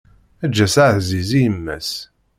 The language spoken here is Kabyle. Eǧǧ-as aɛziz i yemma-s.